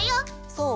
そう？